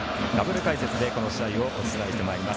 ダブル解説でこの試合をお伝えしてまいります。